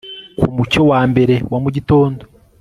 ku mucyo wa mbere wa mu gitondo